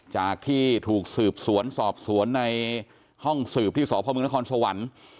จากที่ถูกสืบสวนสอบสวนในห้องสืบที่สพมนครสวรรค์